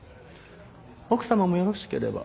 奥様もよろしければ。